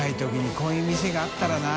こういう店があったらなぁ。